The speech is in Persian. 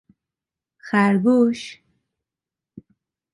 خرگوش!